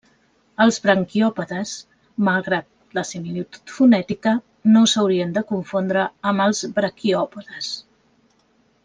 Els branquiòpodes, malgrat la similitud fonètica, no s'haurien de confondre amb els braquiòpodes.